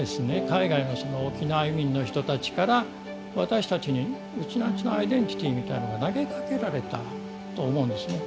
海外の沖縄移民の人たちから私たちにウチナーンチュのアイデンティティーみたいなのが投げかけられたと思うんですね。